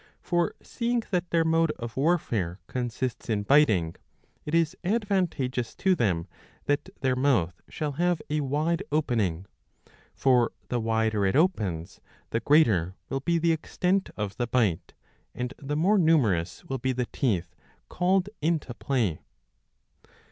For seeing that their mode of warfare consists in biting, it is advantageous to them that their mouth shall have a wide opening ; for the wider it opens, the greater will be the extent of the bite, and the more numerous will be the teeth called into play.